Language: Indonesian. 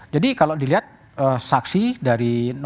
jadi kalau dilihat saksi dari